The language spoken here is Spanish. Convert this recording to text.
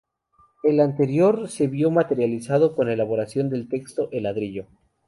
Lo anterior se vio materializado con la elaboración del texto "El ladrillo".